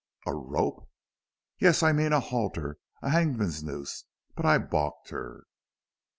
"A rope!" "Yes, I mean a halter, a hangman's noose. But I balked her!"